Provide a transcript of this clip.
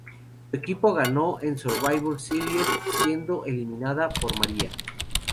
Su equipo ganó en Survivor Series siendo eliminada por Maria.